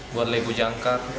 buat lego jangkar